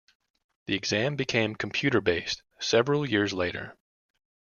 The exam became computer based several years later.